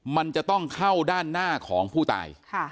มันจะต้องเข้าด้านหน้าของผู้ตาย